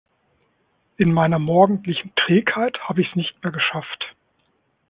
In meiner morgendlichen Trägheit habe ich es nicht mehr geschafft.